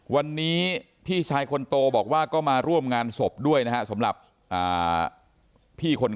วันนี้พี่ชายคนโตบอกว่าก็มาร่วมงานศพด้วยนะฮะสำหรับพี่คน